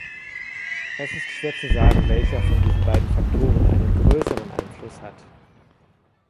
Es ist schwer zu sagen, welcher von diesen beiden Faktoren einen größeren Einfluss hat.